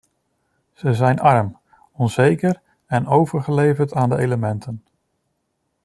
Ze zijn arm, onzeker en overgeleverd aan de elementen.